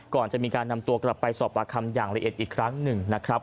ก่อนจะมีการนำตัวกลับไปสอบปากคำอย่างละเอียดอีกครั้งหนึ่งนะครับ